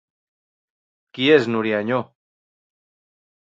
Qui és Núria Añó?